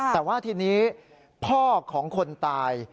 แต่ว่าทีนี้พ่อของคนตาย